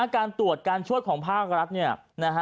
การตรวจการช่วยของภาครัฐ